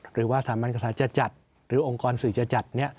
หรือว่าสถาบันกษาจะจัดหรือองค์กรสื่อจะจัด